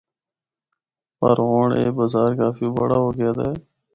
پر ہونڑ اے بازار کافی بڑا ہو گیا دا اے۔